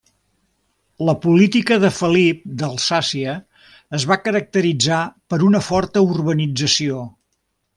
La política de Felip d'Alsàcia es va caracteritzar per una forta urbanització.